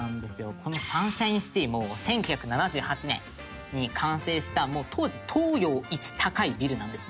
このサンシャインシティも１９７８年に完成した当時東洋一高いビルなんですね。